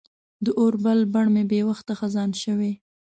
د اوربل بڼ مې بې وخته خزان شوی